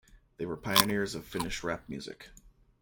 They were pioneers of Finnish rap music.